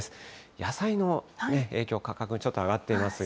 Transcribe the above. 野菜の価格、ちょっと上がっていますが。